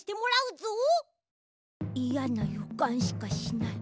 いやなよかんしかしない。